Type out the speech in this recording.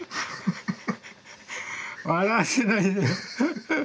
笑わせないでよ。